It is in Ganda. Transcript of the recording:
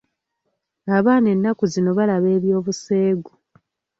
Abaana nnaku zino balaba eby'obuseegu.